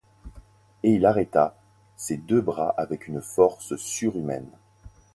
Et il arrêta ses deux bras avec une force surhumaine.